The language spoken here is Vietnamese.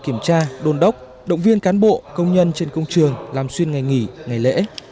kiểm tra đôn đốc động viên cán bộ công nhân trên công trường làm xuyên ngày nghỉ ngày lễ